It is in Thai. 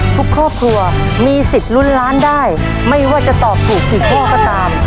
ทุกครอบครัวมีสิทธิ์ลุ้นล้านได้ไม่ว่าจะตอบถูกกี่ข้อก็ตาม